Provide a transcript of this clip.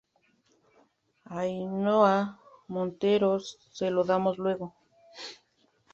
Ainhoa Montero. se lo damos luego.